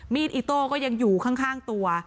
อิโต้ก็ยังอยู่ข้างตัว